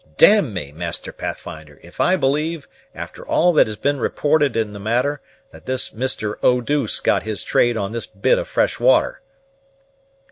D me, Master Pathfinder, if I believe, after all that has been reported in the matter, that this Mister Oh deuce got his trade on this bit of fresh water."